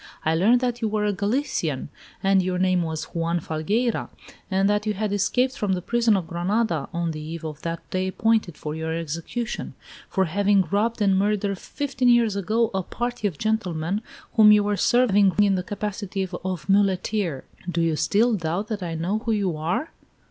I learned that you were a Galician, that your name was Juan Falgueira, and that you had escaped from the prison of Granada, on the eve of the day appointed for your execution, for having robbed and murdered, fifteen years ago, a party of gentlemen, whom you were serving in the capacity of muleteer. Do you still doubt that I know who you are?"